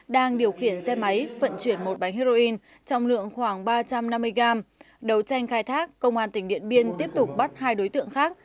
đang điều khiển xe máy vận chuyển một bánh heroin trong lượng khoảng ba trăm năm mươi gram đầu tranh khai thác công an tỉnh điện biên tiếp tục bắt hai đối tượng khác